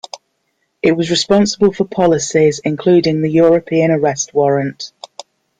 It was responsible for policies including the European Arrest Warrant.